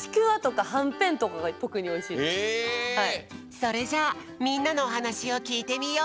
それじゃあみんなのおはなしをきいてみよう！